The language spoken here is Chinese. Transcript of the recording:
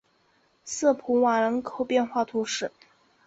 瑟普瓦人口变化图示